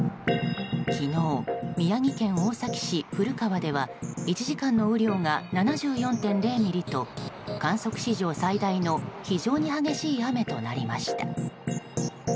昨日、宮城県大崎市古川では１時間の雨量が７４．０ミリと観測史上最大の非常に激しい雨となりました。